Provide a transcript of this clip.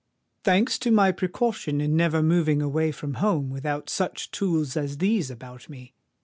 "Thanks to my precaution in never moving away from home without such tools as these about me!"